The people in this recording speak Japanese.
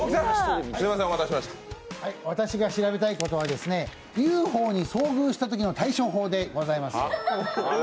私が調べたいことはＵＦＯに遭遇したときの対処法です。